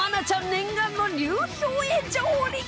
念願の流氷へ上陸です！